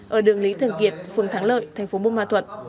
ở đường lý thường kiệt phường thắng lợi thành phố buôn ma thuật